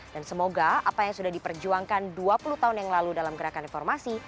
dan semoga apa yang sudah diperjuangkan dua puluh tahun yang lalu dalam gerakan reformasi